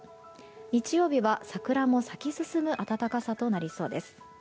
日曜日は桜も咲き進む暖かさとなりそうです。